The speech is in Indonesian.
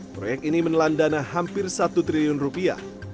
proyek ini menelan dana hampir satu triliun rupiah untuk pemerintah umkm